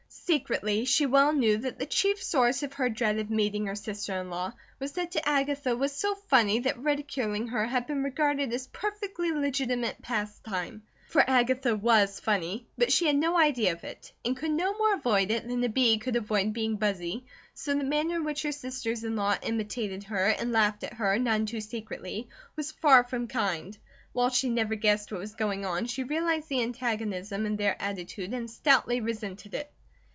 Secretly, she well knew that the chief source of her dread of meeting her sister in law was that to her Agatha was so funny that ridiculing her had been regarded as perfectly legitimate pastime. For Agatha WAS funny; but she had no idea of it, and could no more avoid it than a bee could avoid being buzzy, so the manner in which her sisters in law imitated her and laughed at her, none too secretly, was far from kind. While she never guessed what was going on, she realized the antagonism in their attitude and stoutly resented it.